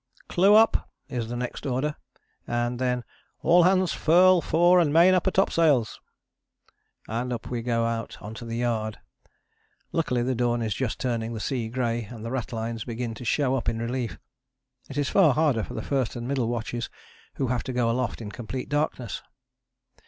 "Clew up" is the next order, and then "All hands furl fore and main upper topsails," and up we go out on to the yard. Luckily the dawn is just turning the sea grey and the ratlines begin to show up in relief. It is far harder for the first and middle watches, who have to go aloft in complete darkness.